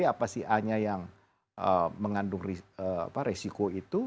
apa si a nya yang mengandung resiko itu